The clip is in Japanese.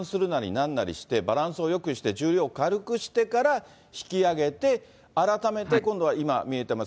なんなりして、バランスをよくして重量を軽くしてから引き上げて、改めて今度は今、見えてます